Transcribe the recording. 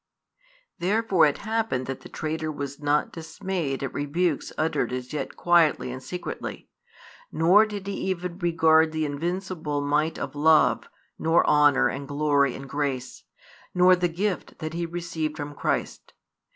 Therefore it happened that the traitor was not dismayed at rebukes uttered as yet quietly and secretly, nor did he even regard the invincible might of love, nor honour and glory and grace, nor the gift that he received from Christ.